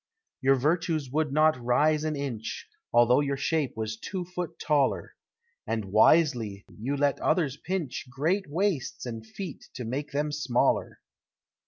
Your virtues would not rise an inch, Although your shape was two foot taller, And wisely you let others pinch Great waists and feet to make them smaller.